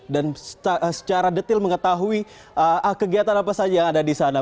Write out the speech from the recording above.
dan secara detil mengetahui kegiatan apa saja yang ada di sana